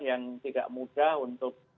yang tidak mudah untuk